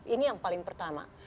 ini yang paling pertama